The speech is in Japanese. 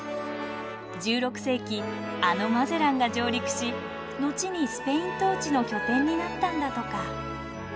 １６世紀あのマゼランが上陸し後にスペイン統治の拠点になったんだとか。